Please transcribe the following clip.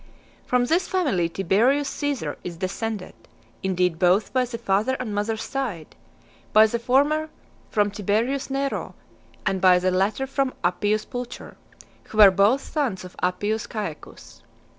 III. From this family Tiberius Caesar is descended; indeed both by the father and mother's side; by the former from Tiberius Nero, and by the latter from Appius Pulcher, who were both sons of Appius Caecus.